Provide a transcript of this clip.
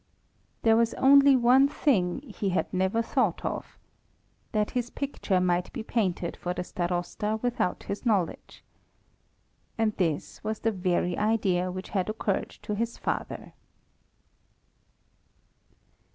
There was only one thing he had never thought of that his picture might be painted for the Starosta without his knowledge. And this was the very idea which had occurred to his father.